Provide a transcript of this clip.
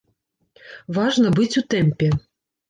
Важна быць у тэмпе.